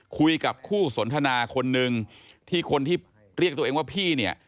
คุยกับคู่สนทนาคนนึงที่คนที่เรียกตัวเองว่าพี่เนี่ย